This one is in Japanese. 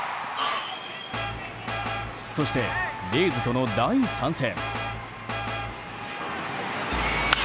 そしてレイズとの第３戦。